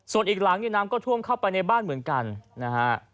ส่วนอีกหลังเนี่ยน้ำก็ท่วมเข้าไปในบ้านเหมือนกันนะฮะ